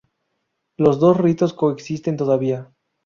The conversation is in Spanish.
Los dos ritos coexisten todavía.